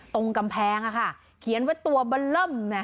ตรงกำแพงค่ะเขียนไว้ตัวบะเร่ม